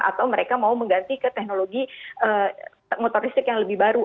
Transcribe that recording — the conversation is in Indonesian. atau mereka mau mengganti ke teknologi motor listrik yang lebih baru